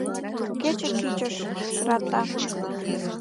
Кече кӱшыч шырата.